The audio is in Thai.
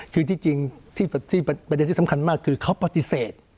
คือที่จริงที่ประเด็นที่สำคัญมากคือเขาปฏิเสธ